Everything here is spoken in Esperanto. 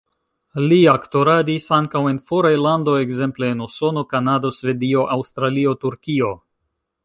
Li aktoradis ankaŭ en foraj landoj, ekzemple en Usono, Kanado, Svedio, Aŭstralio, Turkio.